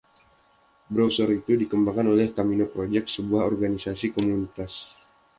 Browser itu dikembangkan oleh Camino Project, sebuah organisasi komunitas.